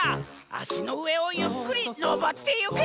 あしのうえをゆっくりのぼってゆけ！